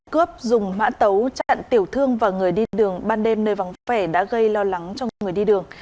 cướp dùng mã tấu chặn tiểu thương và người đi đường ban đêm nơi vắng vẻ đã gây lo lắng cho người đi đường